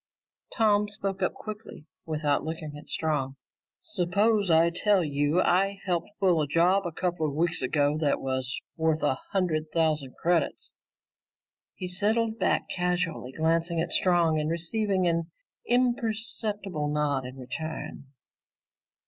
Tom spoke up quickly without looking at Strong. "Suppose I told you I helped pull a job a couple of weeks ago that was worth a hundred thousand credits?" He settled back, casually glancing at Strong and receiving an imperceptible nod in return.